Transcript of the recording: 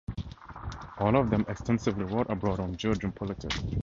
All of them extensively wrote abroad on the Georgian politics.